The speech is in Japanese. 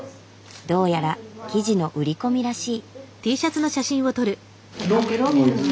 どうやら記事の売り込みらしい。